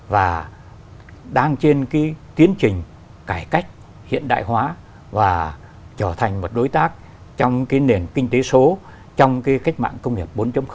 và đang trên cái tiến trình cải cách hiện đại hóa và trở thành một đối tác trong cái nền kinh tế số trong cái cách mạng công nghiệp bốn